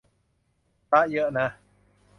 ฝรั่งเยอะนะ